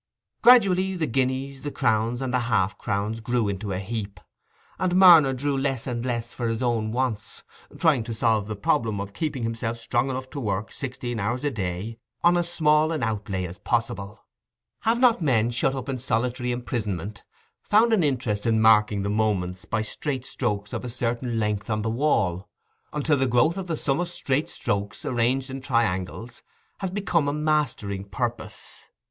Gradually the guineas, the crowns, and the half crowns grew to a heap, and Marner drew less and less for his own wants, trying to solve the problem of keeping himself strong enough to work sixteen hours a day on as small an outlay as possible. Have not men, shut up in solitary imprisonment, found an interest in marking the moments by straight strokes of a certain length on the wall, until the growth of the sum of straight strokes, arranged in triangles, has become a mastering purpose?